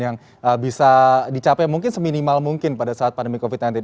yang bisa dicapai mungkin seminimal mungkin pada saat pandemi covid sembilan belas